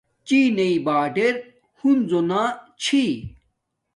چینݵ باڑر ہنزو نا چھی